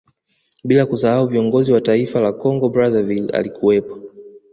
Bila kusahau viongozi wa taifa la Kongo Brazzaville alikuwepo